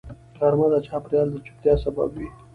غرمه د چاپېریال د چوپتیا سبب وي